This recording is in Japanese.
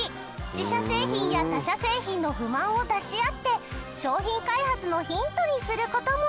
自社製品や他社製品の不満を出し合って商品開発のヒントにする事も。